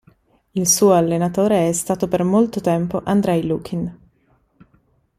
Il suo allenatore è stato per molto tempo Andrej Lukin.